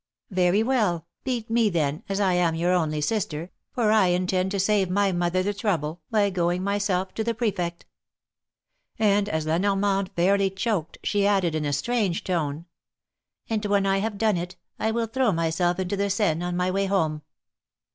Very well, beat me then, as I am only your sister, for I intend to save my mother the trouble, by going myself to the Prefect." THE MARKETS OP PARIS. 253 And as La Normande fairly choked, she added, in a strange tone : ^^And when I have done it, I will throw myself into the Seine on my way home